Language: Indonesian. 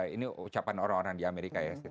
ini ucapan orang orang di amerika ya